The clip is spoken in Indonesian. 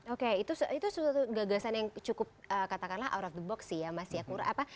oke itu gagasan yang cukup out of the box sih ya mas siakura